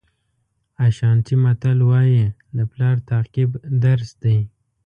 اشانټي متل وایي د پلار تعقیب درس دی.